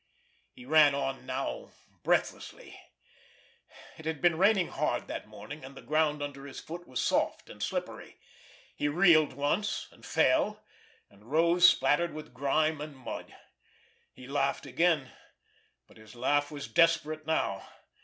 He ran on now breathlessly. It had been raining hard that morning, and the ground under foot was soft and slippery. He reeled once, and fell—and rose splattered with grime and mud. He laughed again, but his laugh was desperate now.